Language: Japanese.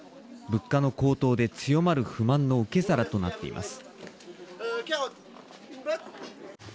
物価の高騰で、強まる不満の受け皿となっています。